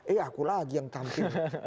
eh aku lagi yang tampil